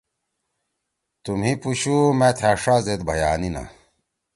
تُو مھی پُوشُو مأ تھأ ݜا زید بھئیانیِنا